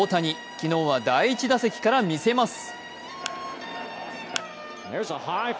昨日は第１打席から見せます。